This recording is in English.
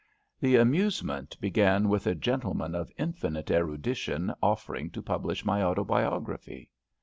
The amusement began with a gentleman of in finite erudition offering to publish my autobiog raphy.